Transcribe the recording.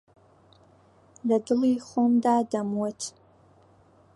لەدڵی خۆمدا دەموت